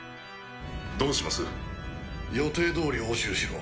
どうします？予定どおり押収しろ。